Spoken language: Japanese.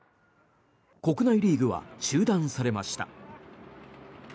国内リーグは中断されました。